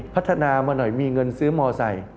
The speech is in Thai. พัฒนามาหน่อยมีเงินซื้อมอไซค์